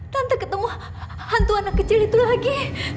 tante ketemu hantu anak kecil itu lagi